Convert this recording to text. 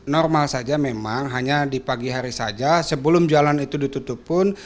normal saja memang hanya di pagi hari saja sebelum jalan itu ditutup pun